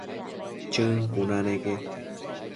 Chën cuna neque